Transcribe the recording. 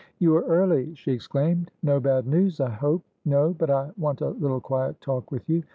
"You are early!" she exclaimed. "No bad news, I hope?" "No. But I want a little quiet talk with you.